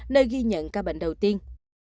nơi ghi nhận ca bệnh đầu tiên